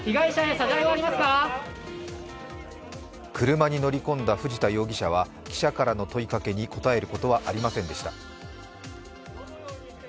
車に乗り込んだ藤田容疑者は記者からの問いかけに答えることはありませんでした。